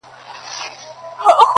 دنظم عنوان دی قاضي او څارنوال،